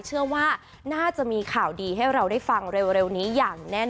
เชื่อว่าน่าจะมีข่าวดีให้เราได้ฟังเร็วนี้อย่างแน่น